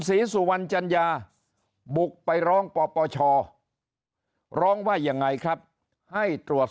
ศรีสุวรรณจัญญาบุกไปร้องปปชร้องว่ายังไงครับให้ตรวจ